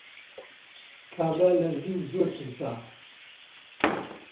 کابرا لەرزی و زۆر ترسا.